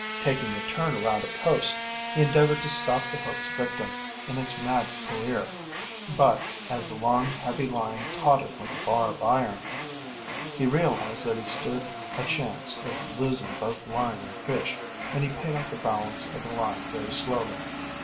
Taking a turn around a post, he endeavored to stop the hook's victim in its mad career, but, as the long, heavy line tauted like a bar of iron, he realized that he stood a chance of losing both line and fish, and he paid out the balance of the line very slowly.